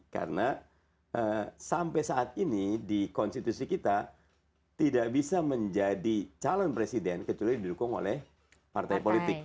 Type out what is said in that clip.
karena sampai saat ini di konstitusi kita tidak bisa menjadi calon presiden kecuali didukung oleh partai politik